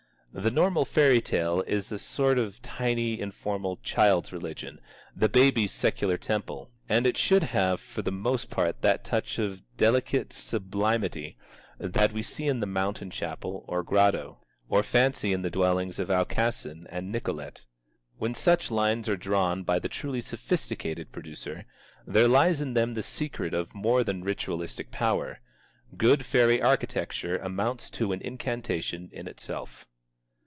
The normal fairy tale is a sort of tiny informal child's religion, the baby's secular temple, and it should have for the most part that touch of delicate sublimity that we see in the mountain chapel or grotto, or fancy in the dwellings of Aucassin and Nicolette. When such lines are drawn by the truly sophisticated producer, there lies in them the secret of a more than ritualistic power. Good fairy architecture amounts to an incantation in itself.